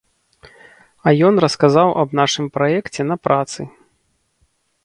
А ён расказаў аб нашым праекце на працы.